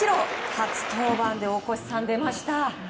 初登板で大越さん、出ました。